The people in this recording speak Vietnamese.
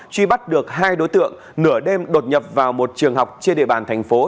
truy bắt được hai đối tượng nửa đêm đột nhập vào một trường học trên địa bàn thành phố